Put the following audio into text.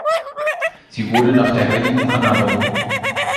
Sie wurde nach der Heiligen Anna benannt.